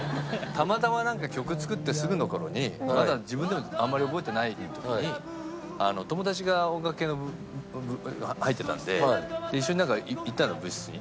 たまたまなんか曲作ってすぐの頃にまだ自分でもあんまり覚えてない時に友達が音楽系の入ってたので一緒に行ったの部室に。